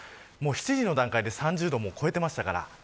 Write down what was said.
７時の段階で３０度を超えていましたから。